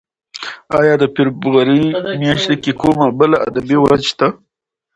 ایا د فبرورۍ میاشت کې کومه بله ادبي ورځ شته؟